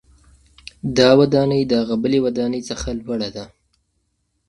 دا ودانۍ د هغې بلې ودانۍ څخه لوړه ده.